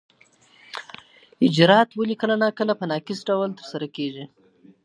اجرات ولي کله ناکله په ناقص ډول ترسره کیږي؟